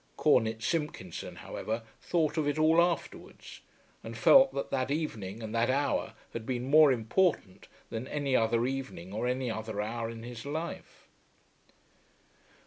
Cornet Simpkinson however thought of it all afterwards, and felt that that evening and that hour had been more important than any other evening or any other hour in his life.